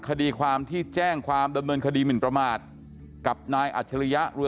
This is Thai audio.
คดีความที่แจ้งความดำเนินคดีหมินประมาทกับนายอัจฉริยะเรือ